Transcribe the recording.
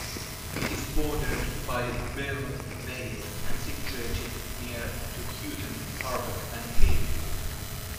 It is bordered by Belle Vale and situated near to Huyton, Tarbock and Halewood.